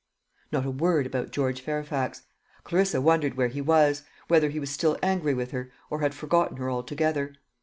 Not a word about George Fairfax. Clarissa wondered where he was; whether he was still angry with her, or had forgotten her altogether.